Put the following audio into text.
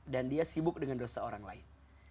dan dia sibuk dengan dosa orang lain